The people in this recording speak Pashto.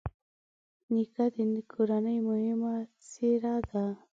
نیکه د کورنۍ مهمه څېره ده.